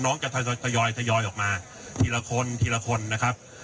น้องจะทยอยทยอยออกมาทีละคนทีละคนนะครับ